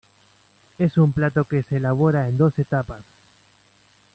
Es un plato que se elabora en dos etapas.